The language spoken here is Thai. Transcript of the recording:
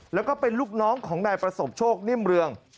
แล้วก็เป็นลูกน้องของนายประสบโชคนิ่มเรือง